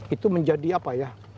itu menjadi apa ya